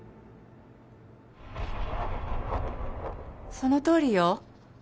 そのとおりよ